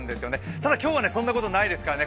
ただ今日はそんなことないですからね。